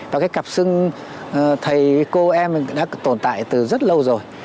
và cái cặp sưng thầy cô em đã tồn tại từ rất lâu rồi